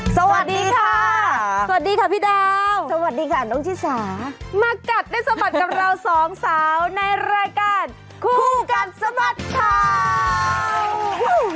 สวัสดีค่ะสวัสดีค่ะพี่ดาวสวัสดีค่ะน้องชิสามากัดได้สะบัดกับเราสองสาวในรายการคู่กัดสะบัดข่าว